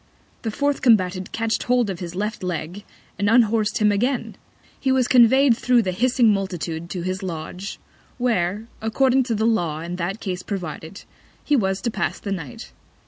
The fourth Combatant catch'd hold of his Left Leg, and unhors'd him again. He was convey'd thro' the hissing Multitude to his Lodge, where, according to the Law in that Case provided, he was to pass the Night.